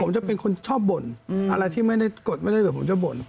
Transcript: ผมจะเป็นคนชอบบ่นอะไรที่ไม่ได้กดไม่ได้เดี๋ยวผมจะบ่น